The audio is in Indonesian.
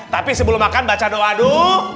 jadi sebelum makan baca doa aduh